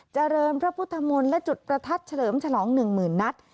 เจริญพระพุทธมนต์และจุดประทัดเฉลิมฉลอง๑๐๐๐นัด